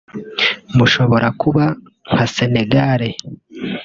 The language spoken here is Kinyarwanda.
mushobora kuba nka Senegal